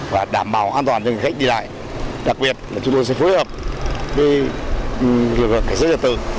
và đảm bảo an toàn cho người sách đi lại đặc biệt chúng tôi sẽ phối hợp lực lượng xe giải thông